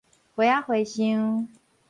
花仔和尚